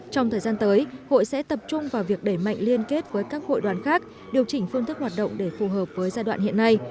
trong thời gian tới hội sẽ tập trung vào việc đẩy mạnh liên kết với các hội đoàn khác điều chỉnh phương thức hoạt động để phù hợp với giai đoạn hiện nay